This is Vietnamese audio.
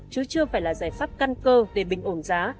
chứ chưa phải là giải pháp căn cơ để bình ổn giá